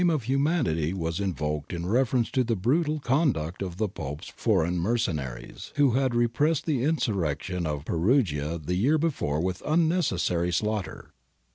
NAPOLEON'S LIBERAL FRIENDS 213 'humanity' was invoked in reference to the brutal con duct of the Pope's foreign mercenaries, who had re pressed the insurrection of Perugia the year before with unnecessary slaughter.